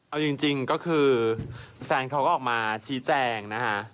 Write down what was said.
เอาจริงก็คือแฟนเขาก็ออกมาชี้แจงนะคะ